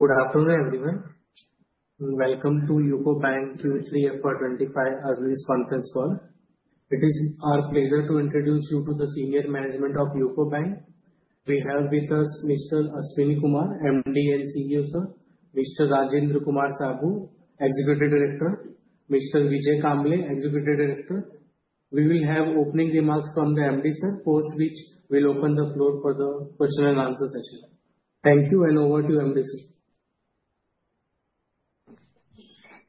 Good afternoon, everyone. Welcome to UCO Bank Q3 FY25 Early Responses Call. It is our pleasure to introduce you to the senior management of UCO Bank. We have with us Mr. Ashwani Kumar, MD and CEO, sir, Mr. Rajendra Kumar Saboo, Executive Director, Mr. Vijay Kamble, Executive Director. We will have opening remarks from the MD, sir, post which we will open the floor for the question and answer session. Thank you, and over to MD, sir.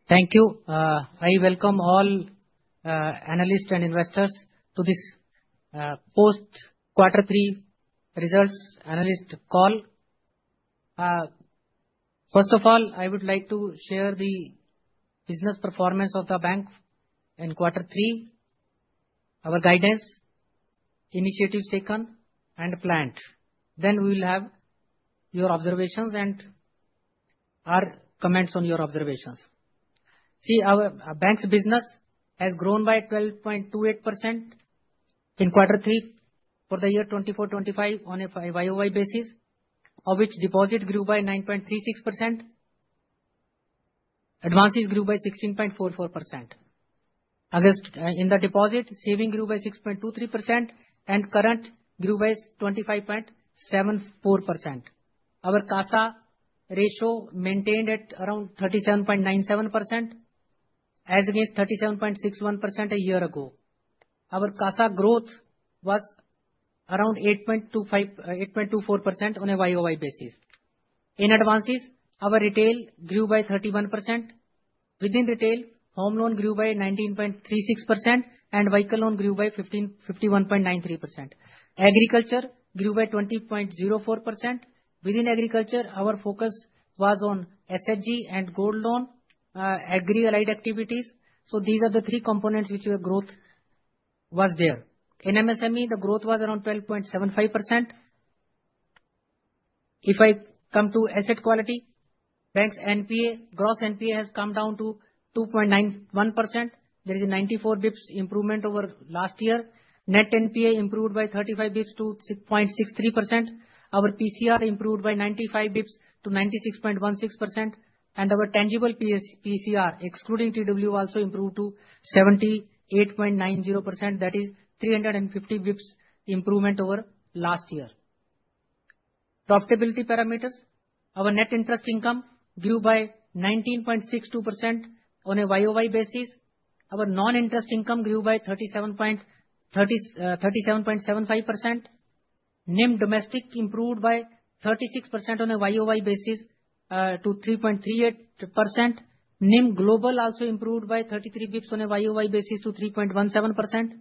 Thank you. I welcome all analysts and investors to this post-Q3 results analyst call. First of all, I would like to share the business performance of the bank in Q3, our guidance, initiatives taken, and planned. Then we will have your observations and our comments on your observations. See, our bank's business has grown by 12.28% in Q3 for the year 2024-25 on a YOY basis, of which deposits grew by 9.36%, advances grew by 16.44%. In the deposits, savings grew by 6.23%, and current grew by 25.74%. Our CASA ratio maintained at around 37.97%, as against 37.61% a year ago. Our CASA growth was around 8.24% on a YOY basis. In advances, our retail grew by 31%. Within retail, home loan grew by 19.36%, and vehicle loan grew by 51.93%. Agriculture grew by 20.04%. Within agriculture, our focus was on SHG and gold loan, agri-related activities. These are the three components which were growth was there. In MSME, the growth was around 12.75%. If I come to asset quality, bank's NPA, gross NPA has come down to 2.91%. There is a 94 basis points improvement over last year. Net NPA improved by 35 basis points to 6.63%. Our PCR improved by 95 basis points to 96.16%. And our tangible PCR, excluding TW, also improved to 78.90%. That is 350 basis points improvement over last year. Profitability parameters: our net interest income grew by 19.62% on a YOY basis. Our non-interest income grew by 37.75%. NIM domestic improved by 36% on a YOY basis to 3.38%. NIM global also improved by 33 basis points on a YOY basis to 3.17%.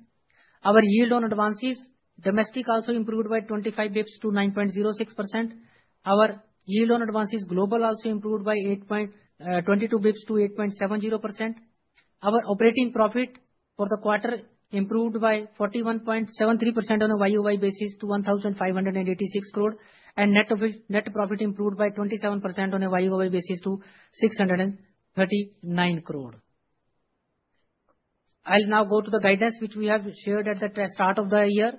Our yield on advances, domestic also improved by 25 basis points to 9.06%. Our yield on advances, global also improved by 22 basis points to 8.70%. Our operating profit for the quarter improved by 41.73% on a YOY basis to 1,586 crore. And net profit improved by 27% on a YOY basis to 639 crore. I'll now go to the guidance which we have shared at the start of the year.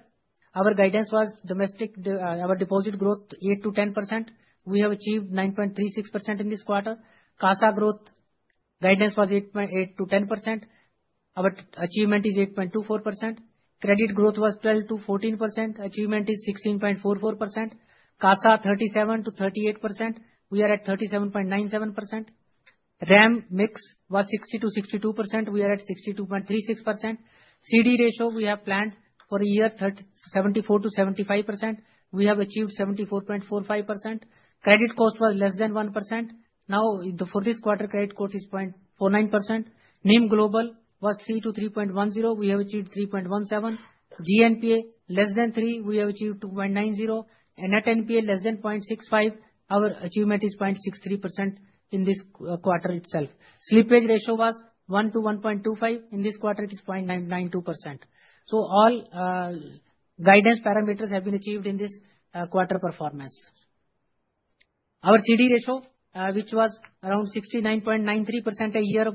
Our guidance was domestic, our deposit growth 8%-10%. We have achieved 9.36% in this quarter. CASA growth guidance was 8%-10%. Our achievement is 8.24%. Credit growth was 12%-14%. Achievement is 16.44%. CASA 37%-38%. We are at 37.97%. RAM mix was 60%-62%. We are at 62.36%. CD ratio we have planned for year 74%-75%. We have achieved 74.45%. Credit cost was less than 1%. Now, for this quarter, credit cost is 0.49%. NIM global was 3%-3.10%. We have achieved 3.17%. GNPA less than 3%. We have achieved 2.90%. Net NPA less than 0.65%. Our achievement is 0.63% in this quarter itself. Slippage ratio was 1%-1.25%. In this quarter, it is 0.92%. So all guidance parameters have been achieved in this quarter performance. Our CD ratio, which was around 69.93% a year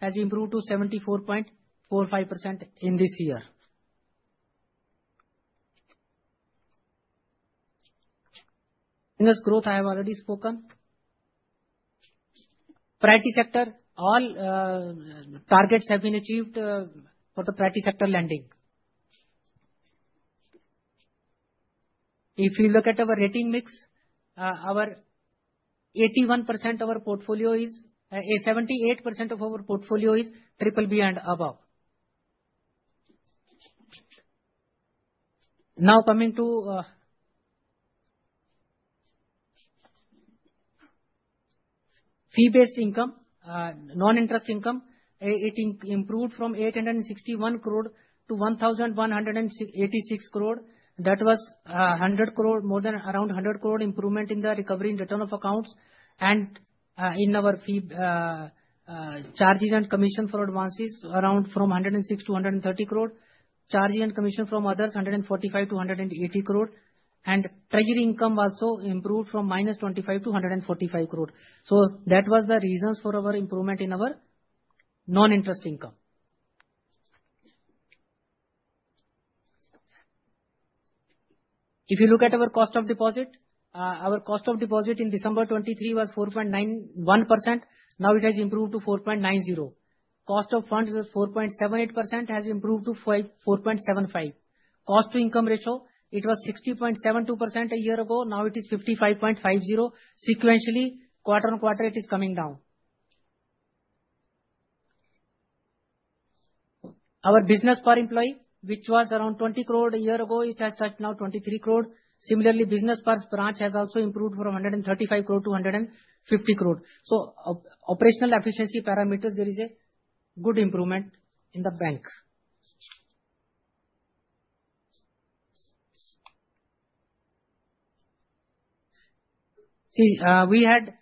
ago, has improved to 74.45% in this year. Growth, I have already spoken. Priority sector, all targets have been achieved for the priority sector lending. If we look at our rating mix, our 81% of our portfolio is, 78% of our portfolio is BBB and above. Now coming to fee-based income, non-interest income, it improved from 861 crore to 1,186 crore. That was 100 crore, more than around 100 crore improvement in the recovery in return of accounts. In our fee charges and commission for advances, around from 106 crore to 130 crore. Charges and commission from others, 145 crore to 180 crore. And treasury income also improved from minus 25 crore to 145 crore. So that was the reasons for our improvement in our non-interest income. If you look at our cost of deposit, our cost of deposit in December 2023 was 4.91%. Now it has improved to 4.90%. Cost of funds was 4.78%, has improved to 4.75%. Cost to income ratio, it was 60.72% a year ago. Now it is 55.50%. Sequentially, quarter on quarter, it is coming down. Our business per employee, which was around 20 crore a year ago, it has touched now 23 crore. Similarly, business per branch has also improved from 135 crore to 150 crore. So operational efficiency parameters, there is a good improvement in the bank. See, we had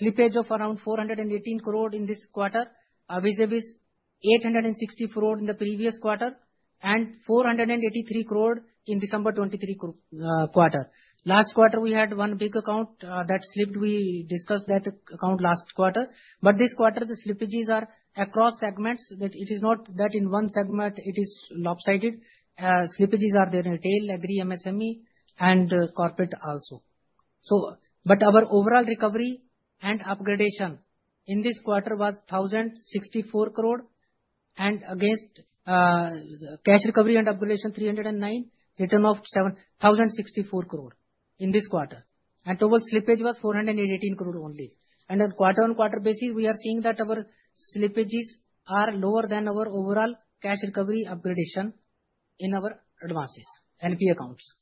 slippage of around 418 crore in this quarter, vis-à-vis 860 crore in the previous quarter, and 483 crore in December 2023 quarter. Last quarter, we had one big account that slipped. We discussed that account last quarter. But this quarter, the slippages are across segments. It is not that in one segment it is lopsided. Slippages are there in retail, agri, MSME, and corporate also. But our overall recovery and upgradation in this quarter was 1,064 crore. And against cash recovery and upgradation, 309 crore, return of 1,064 crore in this quarter. And total slippage was 418 crore only. And on quarter on quarter basis, we are seeing that our slippages are lower than our overall cash recovery upgradation in our advances, NPA accounts.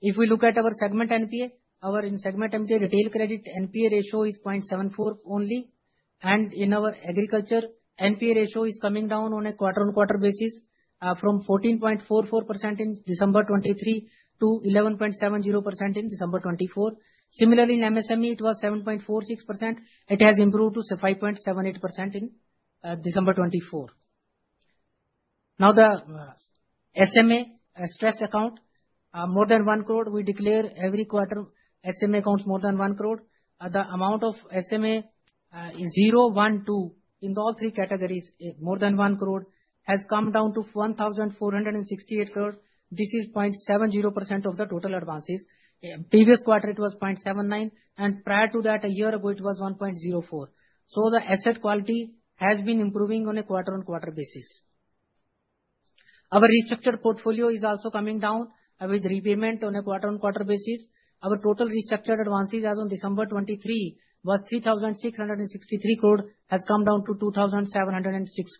If we look at our segmental NPA, our retail credit NPA ratio is 0.74% only. And in our agriculture, NPA ratio is coming down on a quarter on quarter basis from 14.44% in December 2023 to 11.70% in December 2024. Similarly, in MSME, it was 7.46%. It has improved to 5.78% in December 2024. Now, the SMA stress account, more than 1 crore. We declare every quarter SMA accounts more than 1 crore. The amount of SMA is 0.12% in all three categories. More than 1 crore has come down to 1,468 crore. This is 0.70% of the total advances. Previous quarter, it was 0.79%. And prior to that, a year ago, it was 1.04%. The asset quality has been improving on a quarter-on-quarter basis. Our restructured portfolio is also coming down with repayment on a quarter-on-quarter basis. Our total restructured advances as of December 2023 was 3,663 crore has come down to 2,706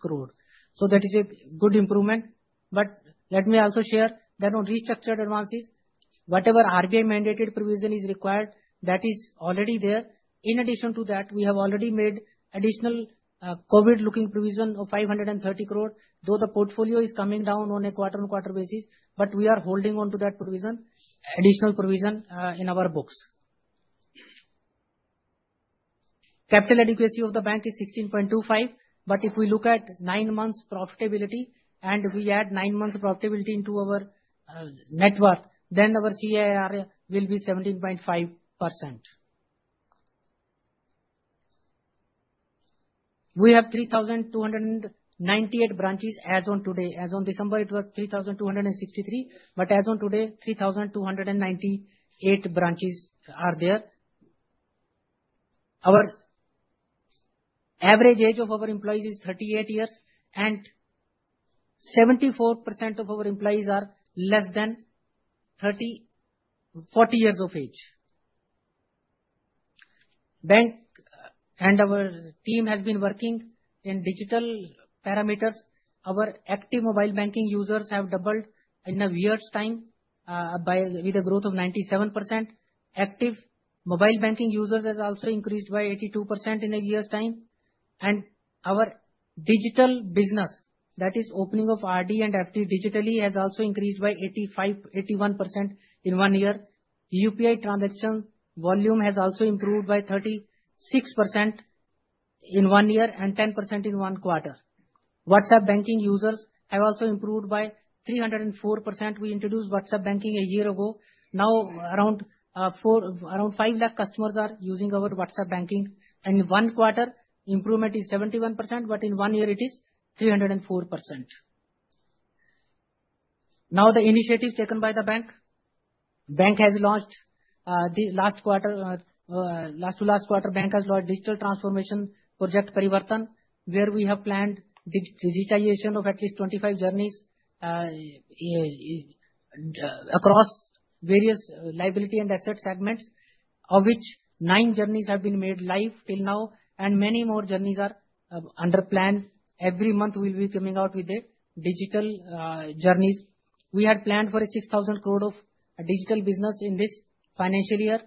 crore. That is a good improvement. But let me also share that on restructured advances, whatever RBI mandated provision is required, that is already there. In addition to that, we have already made additional COVID-linked provision of 530 crore. Though the portfolio is coming down on a quarter on quarter basis, but we are holding on to that provision, additional provision in our books. Capital adequacy of the bank is 16.25, but if we look at nine months profitability and we add nine months profitability into our net worth, then our CRAR will be 17.5%. We have 3,298 branches as on today. As on December, it was 3,263, but as on today, 3,298 branches are there. Our average age of our employees is 38 years, and 74% of our employees are less than 30, 40 years of age. Bank and our team has been working in digital parameters. Our active mobile banking users have doubled in a year's time with a growth of 97%. Active mobile banking users has also increased by 82% in a year's time, and our digital business, that is opening of RD and FD digitally, has also increased by 81% in one year. UPI transaction volume has also improved by 36% in one year and 10% in one quarter. WhatsApp banking users have also improved by 304%. We introduced WhatsApp banking a year ago. Now, around 5 lakh customers are using our WhatsApp banking in one quarter. Improvement is 71%, but in one year it is 304%. Now, the initiative taken by the bank, bank has launched the last quarter, last to last quarter, bank has launched digital transformation Project Parivartan, where we have planned digitization of at least 25 journeys across various liability and asset segments, of which nine journeys have been made live till now, and many more journeys are under plan. Every month we will be coming out with the digital journeys. We had planned for 6,000 crore of digital business in this financial year,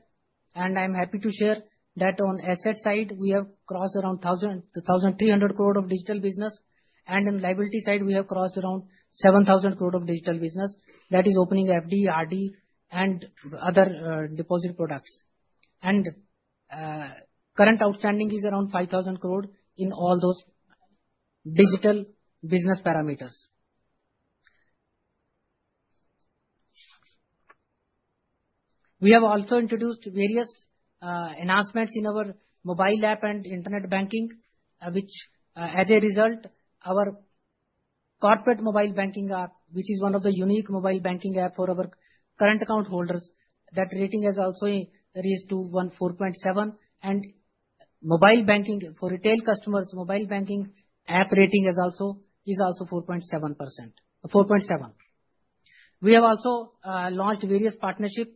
and I am happy to share that on asset side, we have crossed around 1,300 crore of digital business, and in liability side, we have crossed around 7,000 crore of digital business. That is opening FD, RD, and other deposit products, and current outstanding is around 5,000 crore in all those digital business parameters. We have also introduced various enhancements in our mobile app and internet banking, which, as a result, our corporate mobile banking, which is one of the unique mobile banking apps for our current account holders, that rating has also raised to 4.7, and mobile banking for retail customers, mobile banking app rating is also 4.7%. We have also launched various partnerships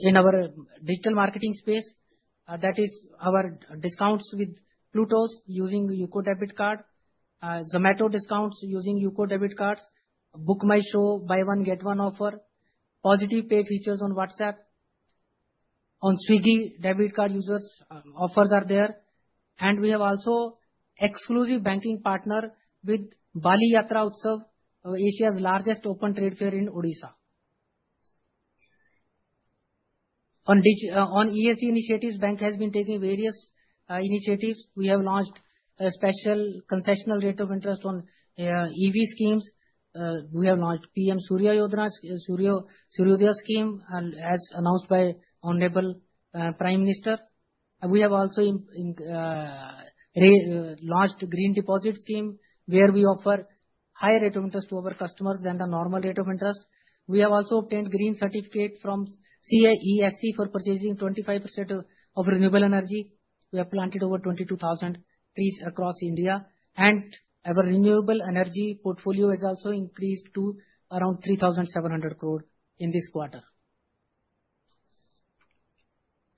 in our digital marketing space. That is our discounts with Pluto using UCO debit card, Zomato discounts using UCO debit cards, BookMyShow buy one get one offer, positive pay features on WhatsApp. On Swiggy debit card users, offers are there, and we have also exclusive banking partner with Bali Yatra Utsav, Asia's largest open trade fair in Odisha. On ESG initiatives, bank has been taking various initiatives. We have launched a special concessional rate of interest on EV schemes. We have launched PM Suryodaya scheme, as announced by Honorable Prime Minister. We have also launched a green deposit scheme, where we offer higher rate of interest to our customers than the normal rate of interest. We have also obtained green certificate from CESC for purchasing 25% of renewable energy. We have planted over 22,000 trees across India, and our renewable energy portfolio has also increased to around 3,700 crore in this quarter.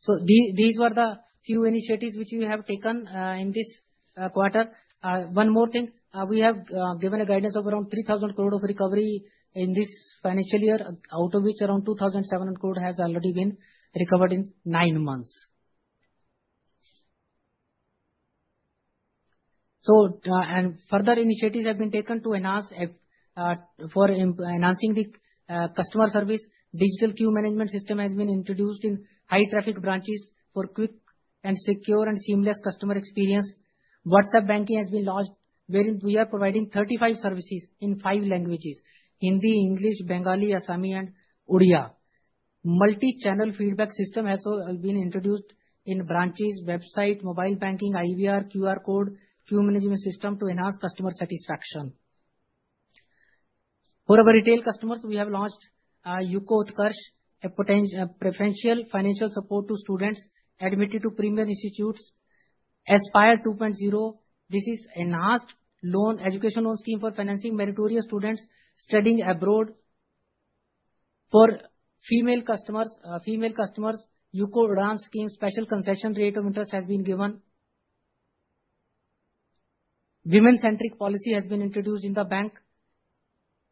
These were the few initiatives which we have taken in this quarter. One more thing, we have given a guidance of around 3,000 crore of recovery in this financial year, out of which around 2,700 crore has already been recovered in nine months. Further initiatives have been taken to enhance customer service. Digital queue management system has been introduced in high traffic branches for quick and secure and seamless customer experience. WhatsApp banking has been launched, wherein we are providing 35 services in five languages: Hindi, English, Bengali, Assamese, and Odia. Multi-channel feedback system has also been introduced in branches, website, mobile banking, IVR, QR code, queue management system to enhance customer satisfaction. For our retail customers, we have launched UCO Utkarsh, a preferential financial support to students admitted to premier institutes, Aspire 2.0. This is an enhanced education loan scheme for financing meritorious students studying abroad. For female customers, UCO Advance scheme, special concession rate of interest has been given. Women-centric policy has been introduced in the bank.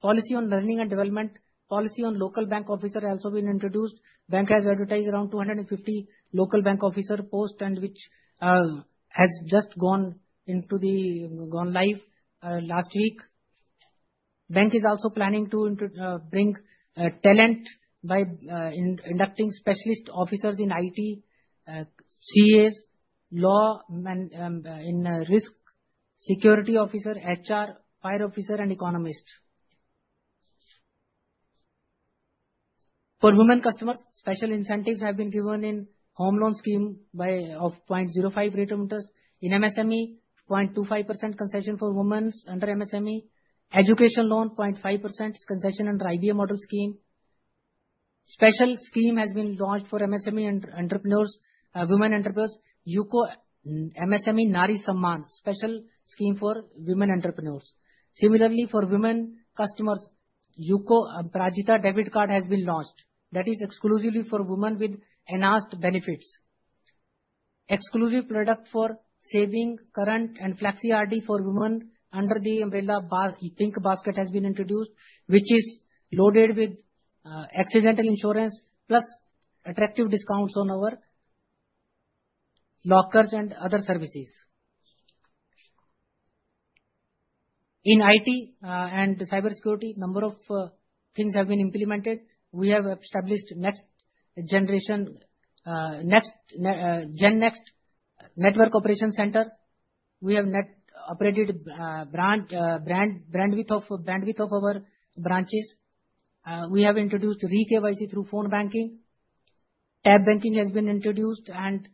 Policy on learning and development, policy on local bank officer has also been introduced. Bank has advertised around 250 local bank officer posts, which has just gone live last week. Bank is also planning to bring talent by inducting specialist officers in IT, CAs, law, and in risk security officer, HR, fire officer, and economist. For women customers, special incentives have been given in home loan scheme by 0.05% rate of interest. In MSME, 0.25% concession for women under MSME. Education loan, 0.5% concession under IBM model scheme. Special scheme has been launched for MSME and entrepreneurs, women entrepreneurs. UCO MSME Nari Samman, special scheme for women entrepreneurs. Similarly, for women customers, UCO Aparajita debit card has been launched. That is exclusively for women with enhanced benefits. Exclusive product for savings current and flexi RD for women under the umbrella Pink Basket has been introduced, which is loaded with accidental insurance plus attractive discounts on our lockers and other services. In IT and cyber security, a number of things have been implemented. We have established next generation GenNext network operation center. We have networked all of our branches. We have introduced Re-KYC through phone banking. Tab Banking has been introduced and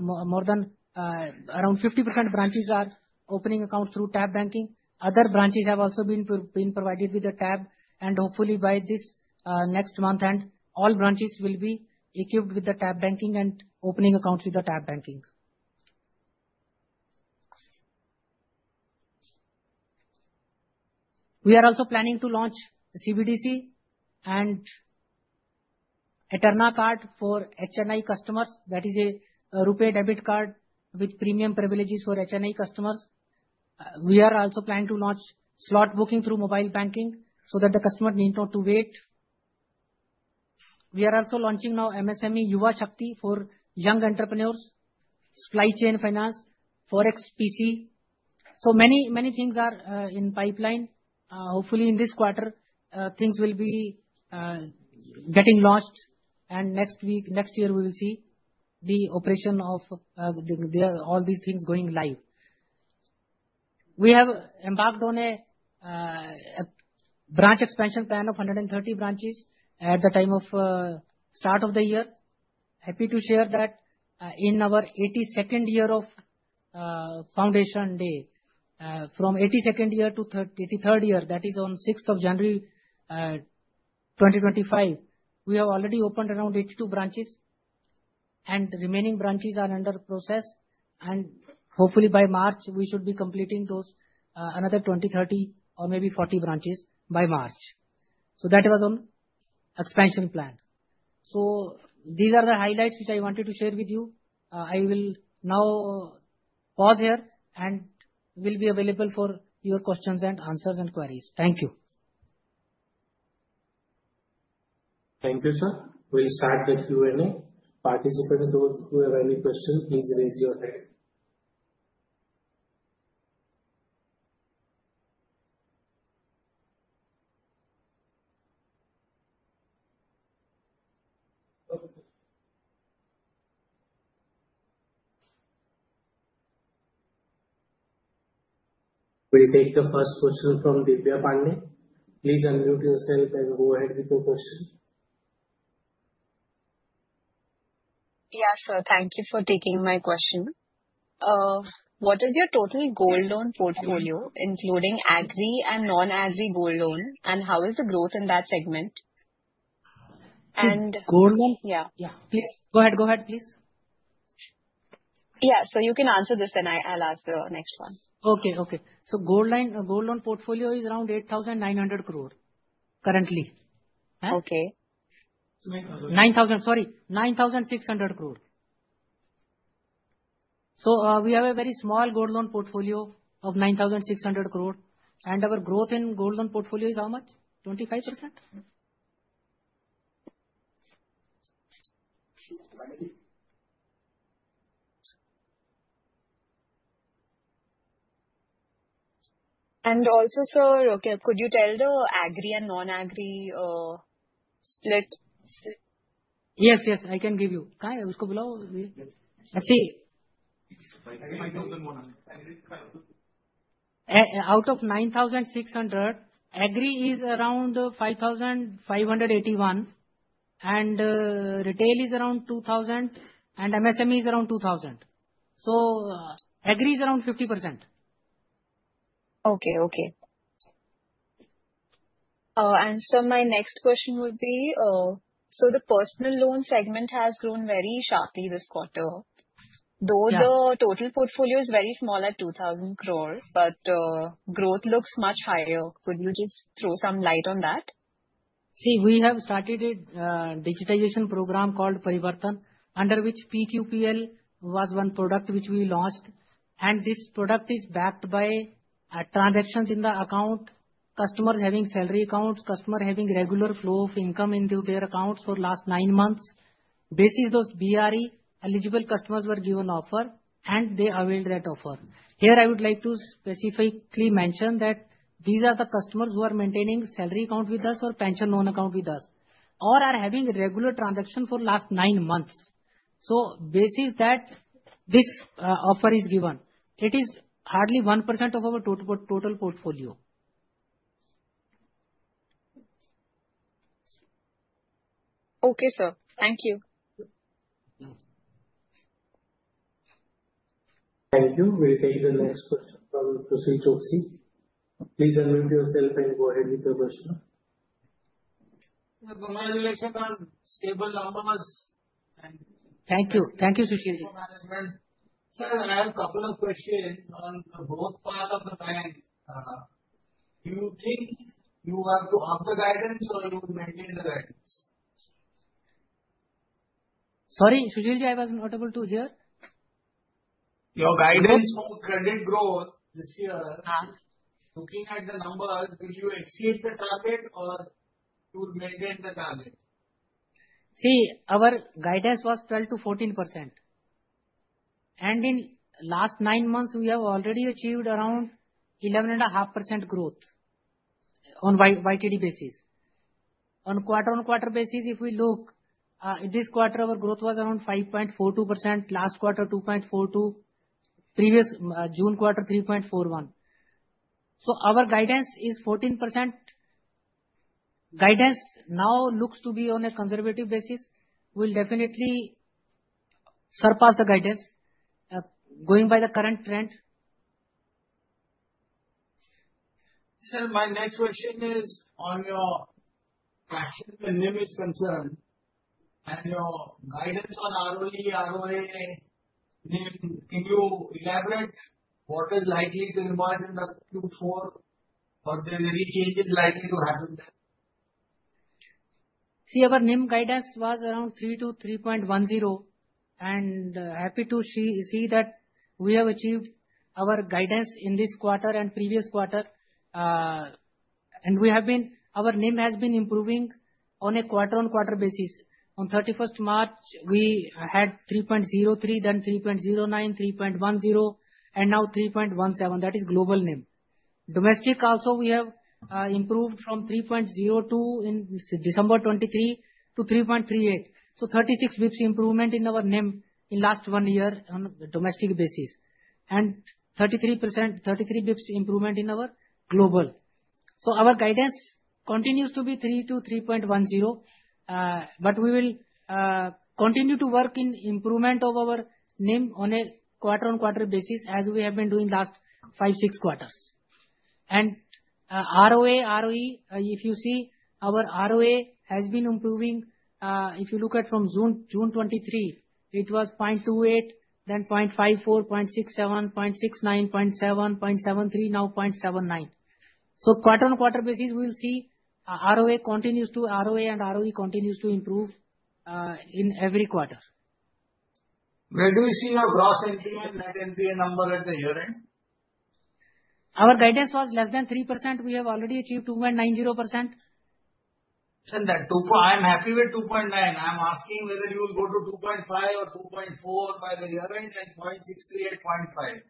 more than around 50% branches are opening accounts through Tab Banking. Other branches have also been provided with a Tab, and hopefully by this next month all branches will be equipped with the Tab Banking and opening accounts with the Tab Banking. We are also planning to launch CBDC and Eterna card for HNI customers. That is a Rupee debit card with premium privileges for HNI customers. We are also planning to launch slot booking through mobile banking so that the customer need not to wait. We are also launching now MSME Yuva Shakti for young entrepreneurs, supply chain finance, Forex, PC. So many things are in pipeline. Hopefully in this quarter, things will be getting launched, and next week, next year we will see the operation of all these things going live. We have embarked on a branch expansion plan of 130 branches at the time of start of the year. Happy to share that in our 82nd year of foundation day. From 82nd year to 83rd year, that is on 6th of January 2025, we have already opened around 82 branches, and remaining branches are under process. And hopefully by March, we should be completing those another 20, 30, or maybe 40 branches by March. So that was on expansion plan. So these are the highlights which I wanted to share with you. I will now pause here and will be available for your questions and answers and queries. Thank you. Thank you, sir. We'll start with Q&A. Participants, those who have any questions, please raise your hand. We'll take the first question from Divya Pandey. Please unmute yourself and go ahead with your question. Yes, sir. Thank you for taking my question. What is your total gold loan portfolio, including agri and non-agri gold loan, and how is the growth in that segment? Gold loan? Yeah. Please go ahead, go ahead, please. Yeah, so you can answer this and I'll ask the next one. Okay, okay. So gold loan portfolio is around 8,900 crore currently. Okay. 9,000. Sorry, 9,600 crore. So we have a very small gold loan portfolio of 9,600 crore. And our growth in gold loan portfolio is how much? 25%? And also, sir, could you tell the agri and non-agri split? Yes, yes, I can give you. Kahaan hai? Usko bulao. Let's see. Out of 9,600, agri is around 5,581, and retail is around 2,000, and MSME is around 2,000. So agri is around 50%. Okay, okay. And sir, my next question would be, so the personal loan segment has grown very sharply this quarter. Though the total portfolio is very small at 2,000 crore, but growth looks much higher. Could you just throw some light on that? See, we have started a digitization program called Parivartan, under which PQPL was one product which we launched. This product is backed by transactions in the account, customers having salary accounts, customers having regular flow of income into their accounts for the last nine months. Basis those BRE eligible customers were given offer, and they availed that offer. Here I would like to specifically mention that these are the customers who are maintaining salary account with us or pension loan account with us, or are having regular transaction for the last nine months. So basis that this offer is given, it is hardly 1% of our total portfolio. Okay, sir. Thank you. Thank you. We'll take the next question from Sushil Choksey. Please unmute yourself and go ahead with your question. Management on stable numbers. Thank you. Thank you, Sushil ji. Management. Sir, I have a couple of questions on both parts of the bank. Do you think you have to offer guidance or you maintain the guidance? Sorry, Sushil ji, I was not able to hear. Your guidance for credit growth this year, looking at the numbers, will you exceed the target or you will maintain the target? See, our guidance was 12%-14%, and in the last nine months, we have already achieved around 11.5% growth on YTD basis. On quarter-on-quarter basis, if we look, this quarter our growth was around 5.42%, last quarter 2.42%, previous June quarter 3.41%. So our guidance is 14%; guidance now looks to be on a conservative basis. We'll definitely surpass the guidance going by the current trend. Sir, my next question is on your tax limit concern and your guidance on ROE, ROA. Can you elaborate what is likely to emerge in the Q4 or the very changes likely to happen there? See, our NIM guidance was around 3%-3.10%. And happy to see that we have achieved our guidance in this quarter and previous quarter. And we have been, our NIM has been improving on a quarter-on-quarter basis. On 31st March, we had 3.03%, then 3.09%, 3.10%, and now 3.17%. That is global NIM. Domestic also, we have improved from 3.02% in December 2023 to 3.38%. So 36 basis points improvement in our NIM in the last one year on a domestic basis. And 33%, 33 basis points improvement in our global. So our guidance continues to be 3%-3.10%. But we will continue to work in improvement of our NIM on a quarter-on-quarter basis as we have been doing the last five, six quarters. And ROE, if you see, our ROE has been improving. If you look at from June 2023, it was 0.28%, then 0.54%, 0.67%, 0.69%, 0.73%, now 0.79%. So quarter-on-quarter basis, we will see ROE continues to ROE and ROE continues to improve in every quarter. Where do you see your gross NPA and net NPA number at the year end? Our guidance was less than 3%. We have already achieved 2.90%. I'm happy with 2.9%. I'm asking whether you will go to 2.5% or 2.4% by the year end and 0.63%, 0.5%.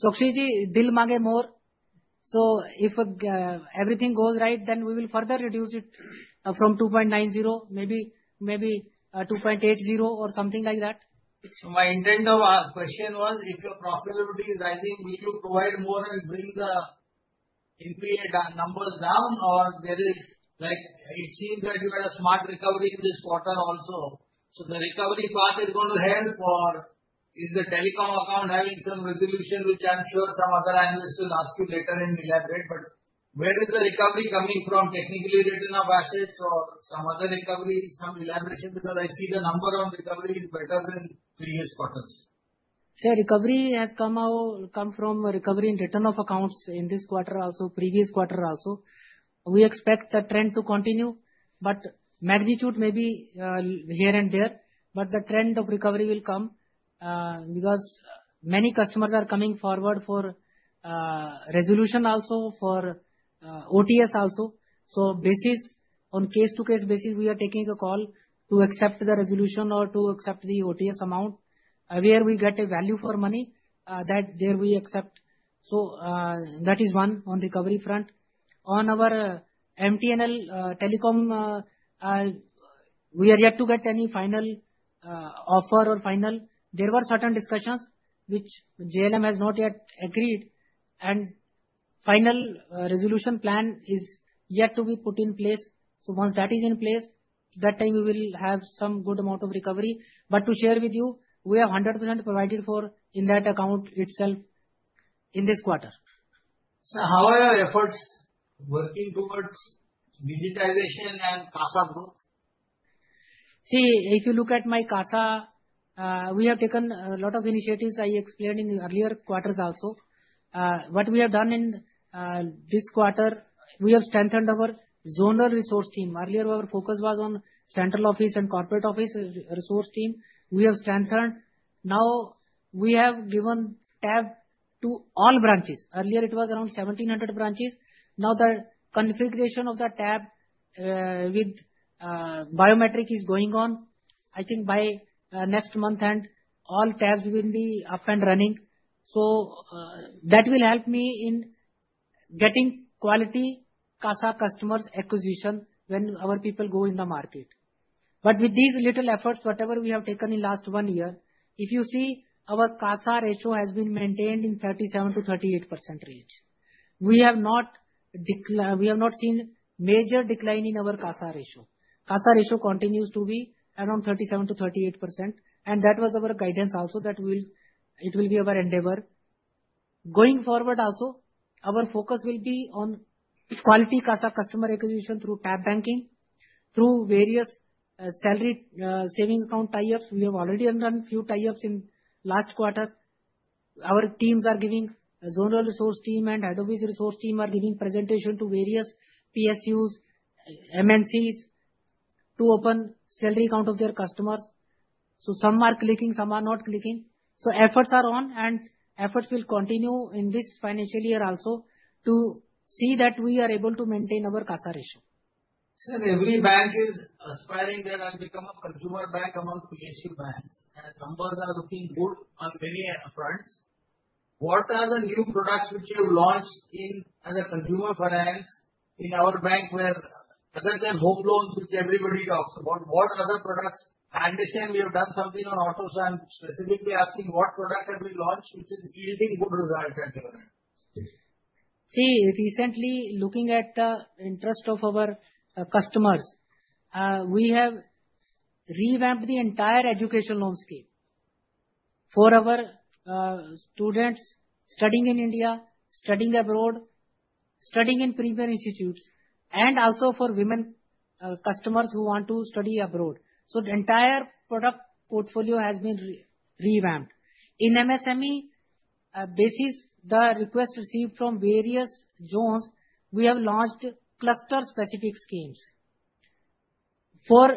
Sushil ji, dil maange more. So if everything goes right, then we will further reduce it from 2.90%, maybe 2.80% or something like that. So my intent of question was, if your profitability is rising, will you provide more and bring the NPA numbers down, or there is like, it seems that you had a smart recovery in this quarter also. The recovery path is going to help, or is the telecom account having some resolution, which I'm sure some other analysts will ask you later in elaboration? But where is the recovery coming from, technically return of assets or some other recovery, some elaboration? Because I see the number on recovery is better than previous quarters. Sir, recovery has come out, come from recovery in return of accounts in this quarter also, previous quarter also. We expect the trend to continue, but magnitude may be here and there. But the trend of recovery will come because many customers are coming forward for resolution also for OTS also. So basis on case-to-case basis, we are taking a call to accept the resolution or to accept the OTS amount where we get a value for money that there we accept. So that is one on recovery front. On our MTNL telecom, we are yet to get any final offer or final. There were certain discussions which JLF has not yet agreed. Final resolution plan is yet to be put in place. So once that is in place, that time we will have some good amount of recovery. But to share with you, we have 100% provided for in that account itself in this quarter. Sir, how are your efforts working towards digitization and CASA growth? See, if you look at our CASA, we have taken a lot of initiatives I explained in the earlier quarters also. What we have done in this quarter, we have strengthened our zonal resource team. Earlier, our focus was on central office and corporate office resource team. We have strengthened. Now we have given tab to all branches. Earlier, it was around 1,700 branches. Now the configuration of the tab with biometric is going on. I think by next month and all tabs will be up and running. So that will help me in getting quality CASA customers acquisition when our people go in the market. But with these little efforts, whatever we have taken in the last one year, if you see, our CASA ratio has been maintained in 37%-38% range. We have not seen major decline in our CASA ratio. CASA ratio continues to be around 37%-38%. And that was our guidance also that it will be our endeavor. Going forward also, our focus will be on quality CASA customer acquisition through tab banking, through various salary saving account tie-ups. We have already done a few tie-ups in the last quarter. Our teams are giving, zonal resource team and head office resource team are giving presentation to various PSUs, MNCs to open salary account of their customers. So some are clicking, some are not clicking. Efforts are on and efforts will continue in this financial year also to see that we are able to maintain our CASA ratio. Sir, every bank is aspiring that I'll become a consumer bank among PSU banks. Numbers are looking good on many fronts. What are the new products which you have launched as a consumer finance in our bank where other than home loans which everybody talks about, what other products? I understand we have done something on auto loans, specifically asking what product have we launched which is yielding good results at your end? See, recently looking at the interest of our customers, we have revamped the entire educational landscape for our students studying in India, studying abroad, studying in premier institutes, and also for women customers who want to study abroad. So the entire product portfolio has been revamped. In MSME basis, the request received from various zones, we have launched cluster-specific schemes for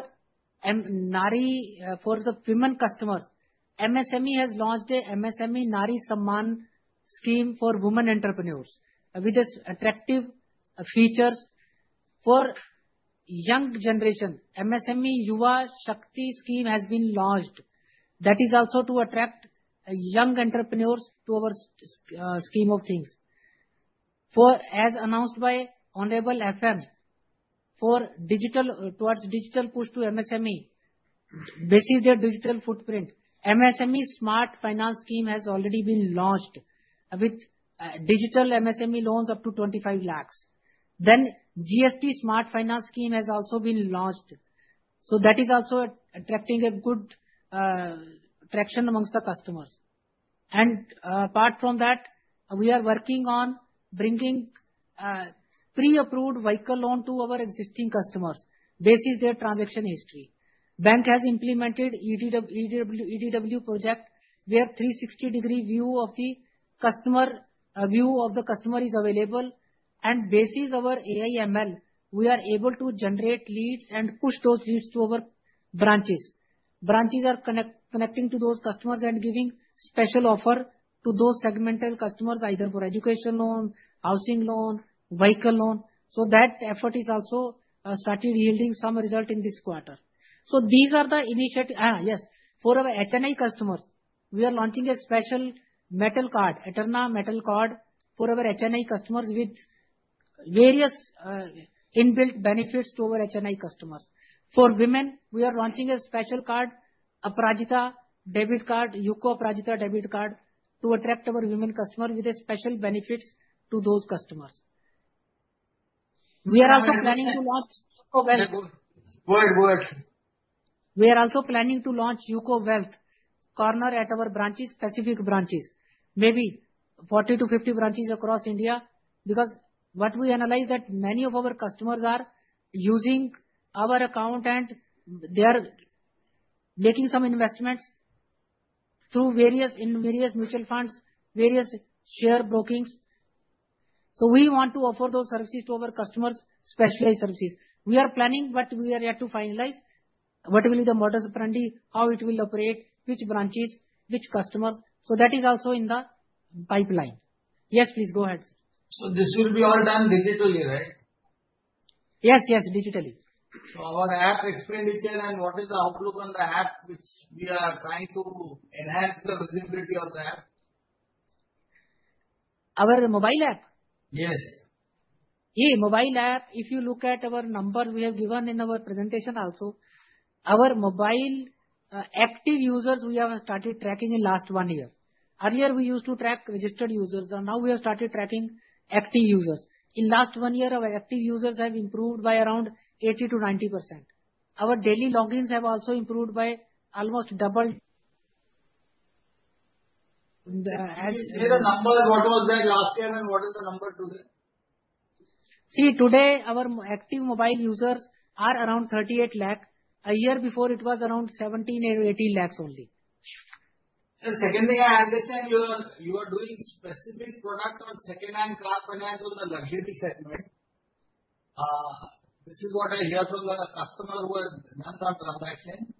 the women customers. MSME has launched an MSME Nari Samman scheme for women entrepreneurs with attractive features for young generation. MSME Yuva Shakti scheme has been launched. That is also to attract young entrepreneurs to our scheme of things. As announced by Honorable FM, for digital towards digital push to MSME, basis their digital footprint. MSME Smart Finance scheme has already been launched with digital MSME loans up to 25 lakhs. Then GST Smart Finance scheme has also been launched. That is also attracting a good attraction among the customers. Apart from that, we are working on bringing pre-approved vehicle loan to our existing customers basis their transaction history. Bank has implemented EDW project where 360-degree view of the customer is available. Basis our AI ML, we are able to generate leads and push those leads to our branches. Branches are connecting to those customers and giving special offer to those segmental customers either for education loan, housing loan, vehicle loan. That effort is also started yielding some result in this quarter. These are the initiatives. Yes, for our HNI customers, we are launching a special metal card, Eterna Metal Card, for our HNI customers with various inbuilt benefits to our HNI customers. For women, we are launching a special card, Aparajita debit card, UCO Aparajita debit card to attract our women customers with special benefits to those customers. We are also planning to launch UCO Wealth. Go ahead. We are also planning to launch UCO Wealth corner at our branches, specific branches, maybe 40 to 50 branches across India. Because what we analyze is that many of our customers are using our account and they are making some investments through various mutual funds, various share brokings. So we want to offer those services to our customers, specialized services. We are planning what we are yet to finalize, what will be the modus operandi, how it will operate, which branches, which customers. So that is also in the pipeline. Yes, please go ahead. Sir. So this will be all done digitally, right? Yes, yes, digitally. So, our app expenditure and what is the outlook on the app which we are trying to enhance the visibility of the app? Our mobile app? Yes. Yeah, mobile app. If you look at our numbers we have given in our presentation also, our mobile active users we have started tracking in the last one year. Earlier, we used to track registered users. Now we have started tracking active users. In the last one year, our active users have improved by around 80%-90%. Our daily logins have also improved by almost double. Is there a number of what was there last year and what is the number today? See, today our active mobile users are around 38 lakhs. A year before, it was around 17 or 18 lakhs only. Sir, second thing I understand you are doing specific product on second-hand car finance on the luxury segment. This is what I hear from the customer who has done some transaction.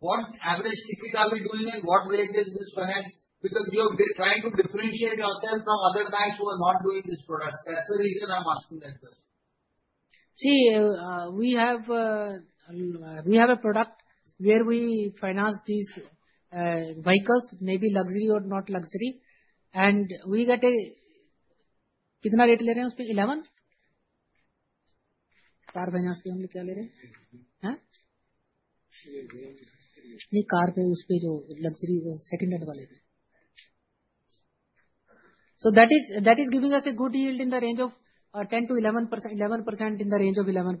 What average ticket are we doing and what rate is this finance? Because you are trying to differentiate yourself from other banks who are not doing these products. That's the reason I'm asking that question. See, we have a product where we finance these vehicles, maybe luxury or not luxury. And we get a kitna rate le rahe hain uspe 11? Car finance pe hum log kya le rahe hain? Nahi, car pe uspe jo luxury wo second hand wale pe. So that is giving us a good yield in the range of 10%-11%, 11% in the range of 11%.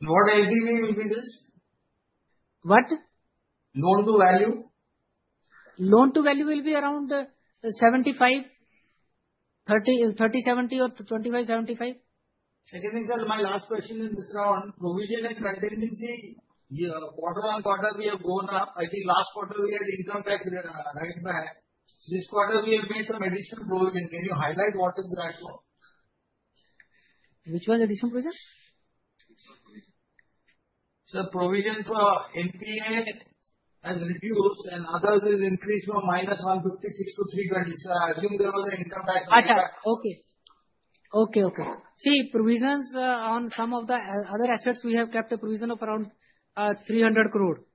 What LTV will be this? What? Loan to value? Loan to value will be around 70-75. Second thing, sir, my last question in this round, provision and contingency. Quarter on quarter, we have gone up. I think last quarter we had income tax write-back. This quarter, we have made some additional provision. Can you highlight what is that? Which was additional provision? Sir, provision for NPA has reduced and others is increased from minus 156 to 326. I assume there was an income tax. A catch-up. Okay. Okay, okay. See, provisions on some of the other assets, we have kept a provision of around 300 crore.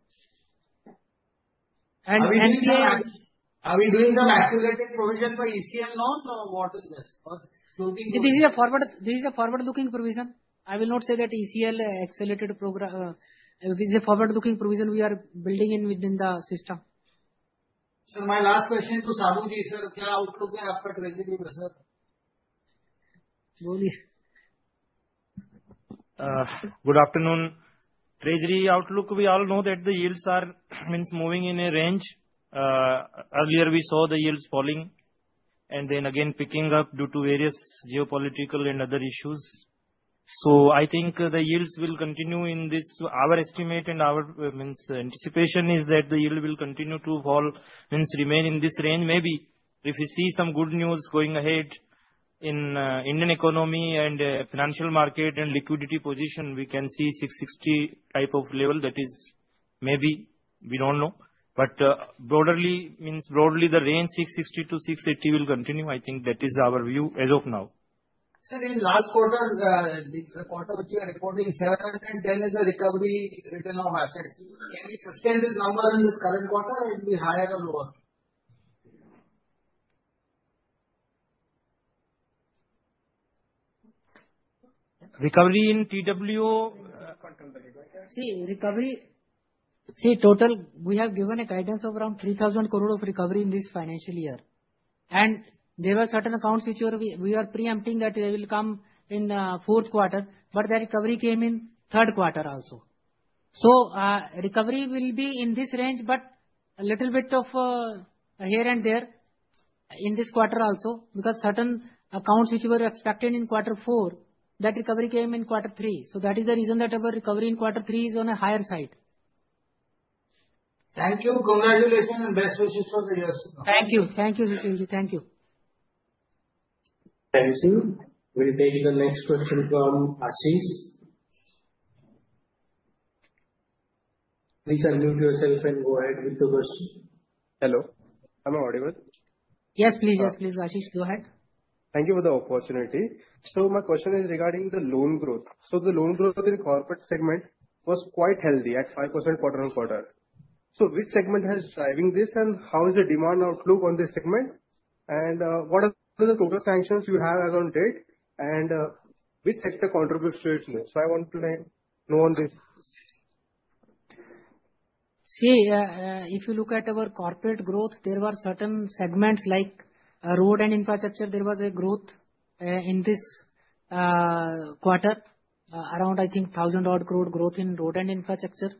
And are we doing some accelerated provision for ECL loan or what is this? This is a forward-looking provision. I will not say that ECL accelerated program is a forward-looking provision we are building in within the system. Sir, my last question to Saboo ji, sir, क्या outlook है आपका treasury में? Sir. बोलिए. Good afternoon. Treasury outlook, we all know that the yields are moving in a range. Earlier, we saw the yields falling and then again picking up due to various geopolitical and other issues. So I think the yields will continue in this. Our estimate and our anticipation is that the yield will continue to fall, means remain in this range. Maybe if we see some good news going ahead in the Indian economy and financial market and liquidity position, we can see 660 type of level. That is maybe we don't know. But broadly, means broadly the range 660 to 680 will continue. I think that is our view as of now. Sir, in last quarter which you are reporting, 710 is the recovery return of assets. Can we sustain this number in this current quarter or it will be higher or lower? Recovery in TW? See, recovery. See, total, we have given a guidance of around 3,000 crore of recovery in this financial year. And there were certain accounts which we are preempting that they will come in the fourth quarter. But that recovery came in third quarter also. So recovery will be in this range, but a little bit of here and there in this quarter also. Because certain accounts which were expected in quarter four, that recovery came in quarter three. So that is the reason that our recovery in quarter three is on a higher side. Thank you. Congratulations and best wishes for the year. Thank you. Thank you, Sushil ji. Thank you. Thank you. We will take the next question from Ashish. Please unmute yourself and go ahead with the question. Hello, I;m already good? Yes, please. Yes, please. Ashish, go ahead. Thank you for the opportunity. My question is regarding the loan growth. The loan growth in the corporate segment was quite healthy at 5% quarter on quarter. Which segment has been driving this and how is the demand outlook on this segment? What are the total sanctions you have as of date and which sector contributes to it? I want to know on this. See, if you look at our corporate growth, there were certain segments like road and infrastructure. There was a growth in this quarter, around I think 1,000 odd crore growth in road and infrastructure.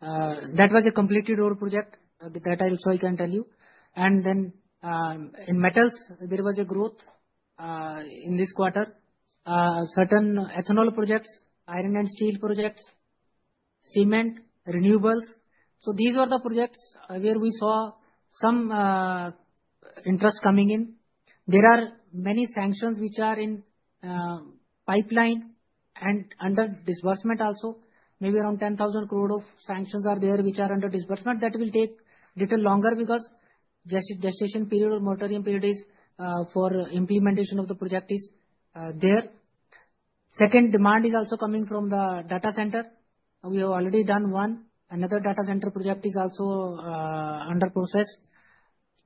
That was a completed road project that I also can tell you. Then in metals, there was a growth in this quarter. Certain ethanol projects, iron and steel projects, cement, renewables. These are the projects where we saw some interest coming in. There are many sanctions which are in pipeline and under disbursement also. Maybe around 10,000 crore of sanctions are there which are under disbursement. That will take a little longer because gestation period or moratorium period is for implementation of the project is there. Second, demand is also coming from the data center. We have already done one. Another data center project is also under process.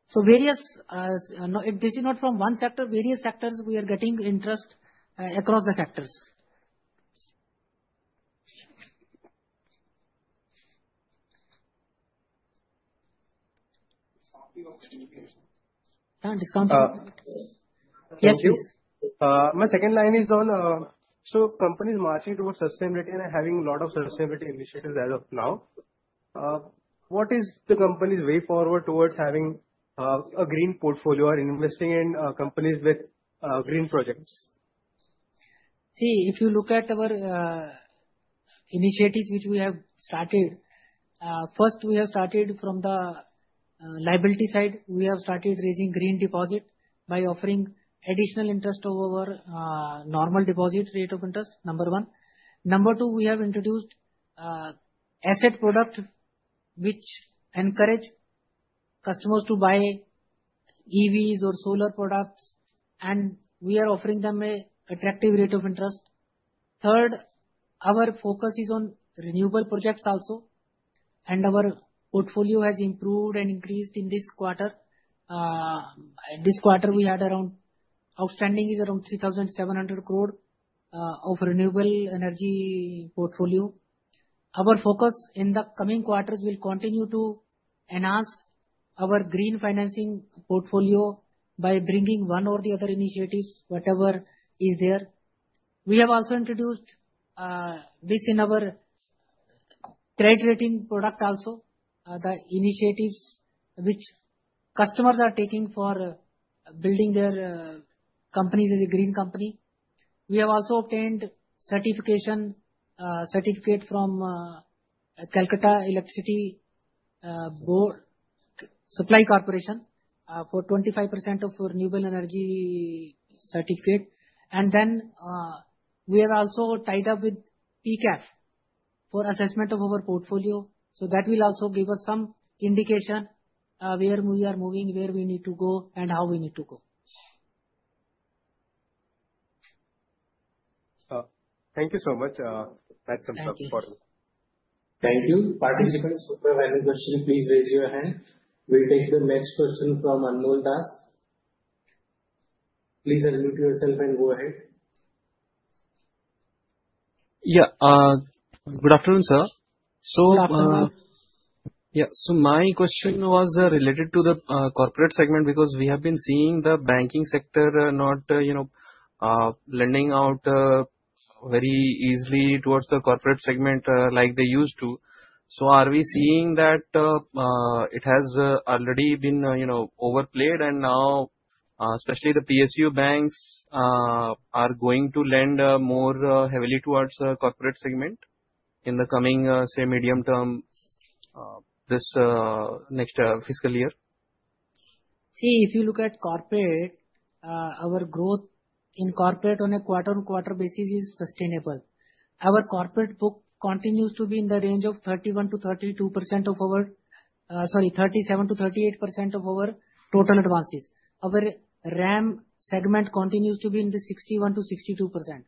So various, if this is not from one sector, various sectors we are getting interest across the sectors. Yes, please. My second line is on. So companies marching towards sustainability and having a lot of sustainability initiatives as of now. What is the company's way forward towards having a green portfolio or investing in companies with green projects? See, if you look at our initiatives which we have started, first we have started from the liability side. We have started raising green deposit by offering additional interest over normal deposit rate of interest, number one. Number two, we have introduced asset product which encourage customers to buy EVs or solar products and we are offering them an attractive rate of interest. Third, our focus is on renewable projects also and our portfolio has improved and increased in this quarter. This quarter, we had around outstanding is around 3,700 crore of renewable energy portfolio. Our focus in the coming quarters will continue to enhance our green financing portfolio by bringing one or the other initiatives, whatever is there. We have also introduced this in our trade rating product also, the initiatives which customers are taking for building their companies as a green company. We have also obtained certification certificate from Calcutta Electric Supply Corporation for 25% of renewable energy certificate. And then we have also tied up with PCAF for assessment of our portfolio. So that will also give us some indication where we are moving, where we need to go, and how we need to go. Thank you so much. That's some thoughts for me. Thank you. Participants, if you have any question, please raise your hand. We'll take the next question from Anmol Das. Please unmute yourself and go ahead. Yeah, good afternoon, sir. So my question was related to the corporate segment because we have been seeing the banking sector not lending out very easily towards the corporate segment like they used to. So are we seeing that it has already been overplayed and now especially the PSU banks are going to lend more heavily towards the corporate segment in the coming, say, medium term this next fiscal year? See, if you look at corporate, our growth in corporate on a quarter-on-quarter basis is sustainable. Our corporate book continues to be in the range of 31%-32% of our, sorry, 37%-38% of our total advances. Our RAM segment continues to be in the 61%-62%.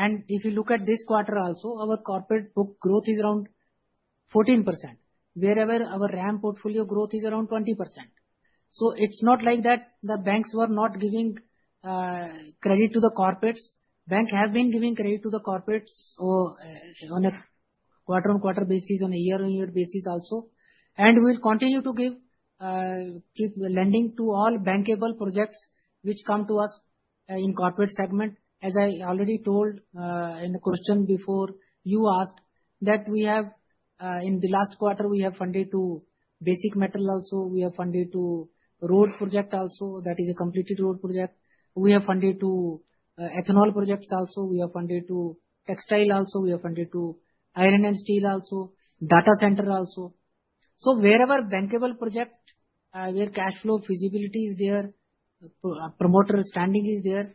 And if you look at this quarter also, our corporate book growth is around 14%, whereas our RAM portfolio growth is around 20%. So it's not like that the banks were not giving credit to the corporates. Banks have been giving credit to the corporates on a quarter-on-quarter basis, on a year-on-year basis also. And we will continue to keep lending to all bankable projects which come to us in corporate segment. As I already told in the question before you asked, that we have, in the last quarter, we have funded to basic metal also. We have funded to road project also. That is a completed road project. We have funded to ethanol projects also. We have funded to textile also. We have funded to iron and steel also, data center also. So wherever bankable project, where cash flow feasibility is there, promoter standing is there,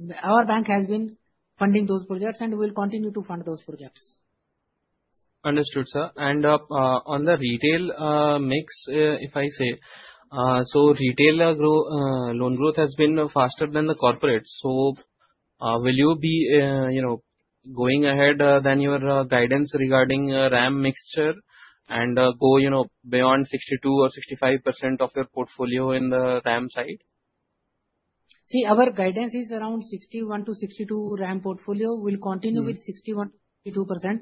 banks, our bank has been funding those projects and we will continue to fund those projects. Understood, sir. And on the retail mix, if I say, so retail loan growth has been faster than the corporate. So will you be going ahead then your guidance regarding RAM mixture and go beyond 62% or 65% of your portfolio in the RAM side? See, our guidance is around 61%-62% RAM portfolio. We will continue with 61%-62%.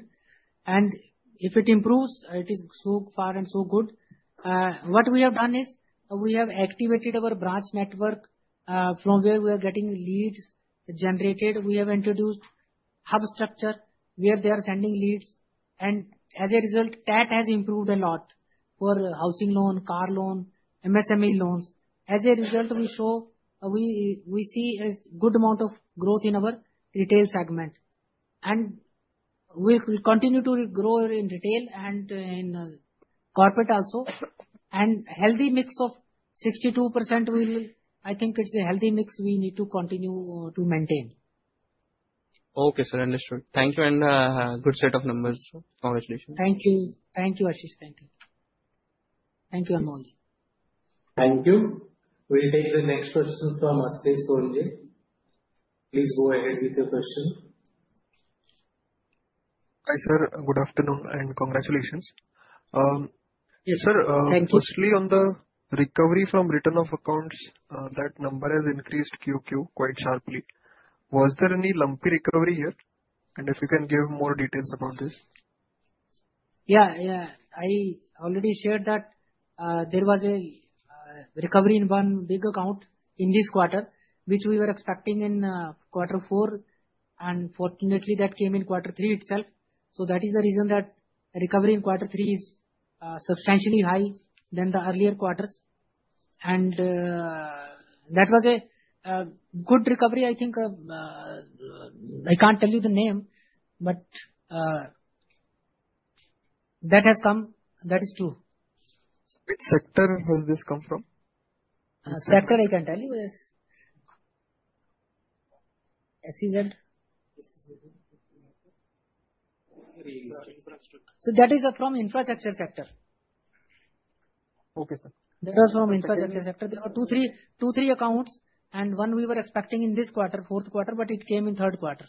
And if it improves, it is so far and so good. What we have done is we have activated our branch network from where we are getting leads generated. We have introduced hub structure where they are sending leads, and as a result, TAT has improved a lot for housing loan, car loan, MSME loans. As a result, we show we see a good amount of growth in our retail segment, and we will continue to grow in retail and in corporate also, and healthy mix of 62%, I think it's a healthy mix we need to continue to maintain. Okay, sir, understood. Thank you and good set of numbers. Congratulations. Okay. Thank you, Ashish. Thank you, Anmol. Thank you. We will take the next question from Ashish Sanjay. Please go ahead with your question. Hi sir, good afternoon and congratulations. Yes, sir, firstly on the recovery from return of accounts, that number has increased QQ quite sharply. Was there any lumpy recovery here? And if you can give more details about this. Yeah, yeah. I already shared that there was a recovery in one big account in this quarter, which we were expecting in quarter four. And fortunately, that came in quarter three itself. So that is the reason that recovery in quarter three is substantially high than the earlier quarters. And that was a good recovery, I think. I can't tell you the name, but that has come. That is true. Sector has this come from? Sector, I can tell you, yes. SEZ. So that is from infrastructure sector. Okay, sir. That was from infrastructure sector. There were two, three, two or three accounts and one we were expecting in this quarter, fourth quarter, but it came in third quarter.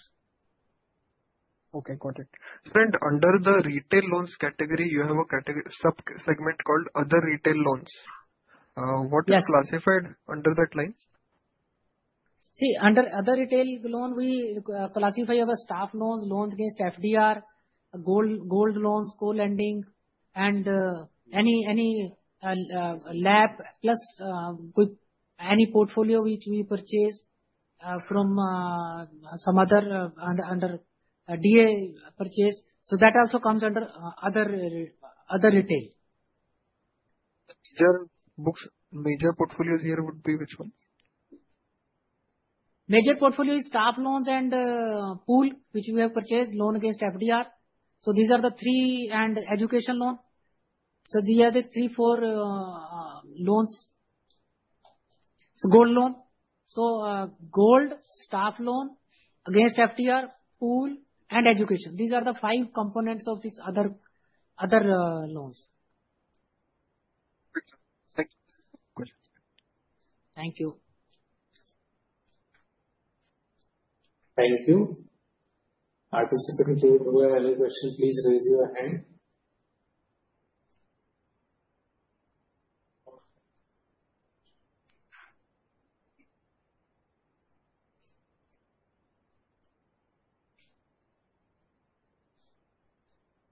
Okay, got it. Sir, and under the retail loans category, you have a sub-segment called other retail loans. What is classified under that line? See, under other retail loan, we classify our staff loans, loans against FDR, gold loans, co-lending, and any lap plus any portfolio which we purchase from some other under DA purchase. So that also comes under other retail. The major portfolio here would be which one? Major portfolio is staff loans and pool which we have purchased, loan against FDR. So these are the three and education loan. So these are the three, four loans. So gold loan. So gold, staff loan against FDR, pool, and education. These are the five components of these other loans. Thank you. Thank you. Participants who have any question, please raise your hand.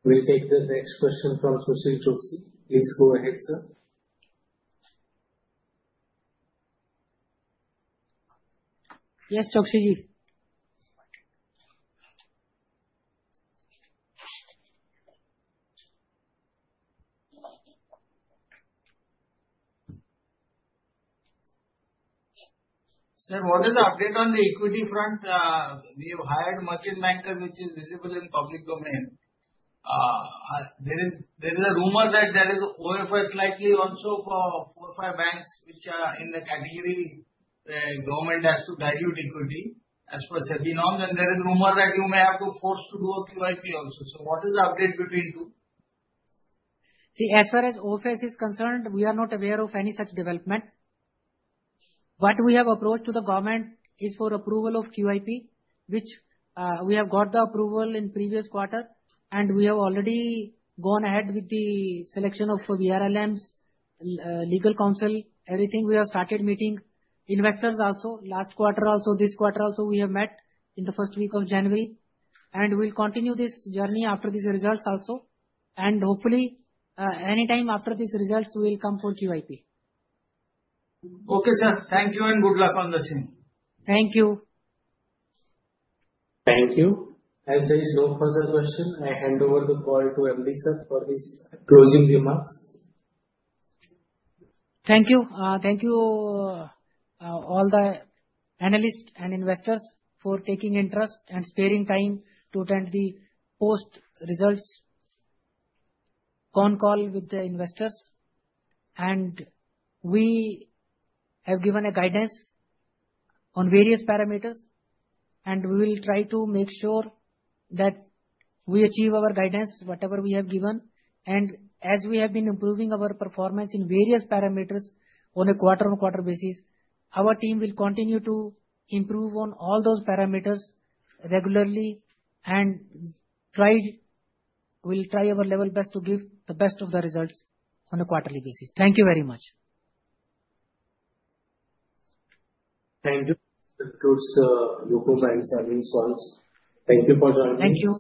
We'll take the next question from Sushil Choksey. Please go ahead, sir. Yes, Choksey ji. Sir, what is the update on the equity front? We have hired merchant bankers which is visible in public domain. There is a rumor that there is OFS likely also for four or five banks which are in the category where government has to dilute equity as per CB norms. And there is a rumor that you may have to force to do a QIP also. So what is the update between two? See, as far as OFS is concerned, we are not aware of any such development. What we have approached to the government is for approval of QIP, which we have got the approval in previous quarter. And we have already gone ahead with the selection of BRLMs, legal counsel, everything. We have started meeting investors also. Last quarter also, this quarter also, we have met in the first week of January. And we will continue this journey after these results also. And hopefully, anytime after these results, we will come for QIP. Okay, sir. Thank you and good luck on the scene. Thank you. Thank you. As there is no further question, I hand over the call to MD sir for his closing remarks. Thank you. Thank you all the analysts and investors for taking interest and sparing time to attend the post-results phone call with the investors. And we have given a guidance on various parameters. And we will try to make sure that we achieve our guidance, whatever we have given. And as we have been improving our performance in various parameters on a quarter-on-quarter basis, our team will continue to improve on all those parameters regularly and will try our level best to give the best of the results on a quarterly basis. Thank you very much. Thank you. Good day, UCO Bank Service Funds. Thank you for joining me. Thank you.